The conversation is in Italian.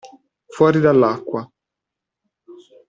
Fuori dall'acqua.